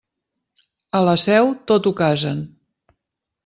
A la seu, tot ho casen.